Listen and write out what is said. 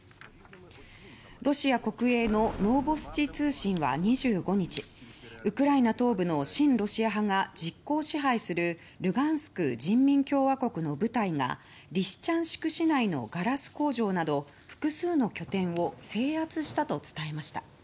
ロシア国営のノーボスチ通信は２５日ウクライナ東部の親ロシア派が実効支配するルガンスク人民共和国の部隊がリシチャンシク市内のガラス工場など複数の拠点を制圧したと伝えました。